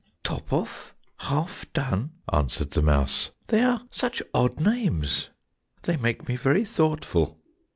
"Top off! Half done!" answered the mouse, "they are such odd names, they make me very thoughtful."